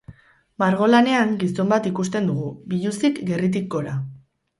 Margolanean gizon bat ikusten dugu, biluzik gerritik gora.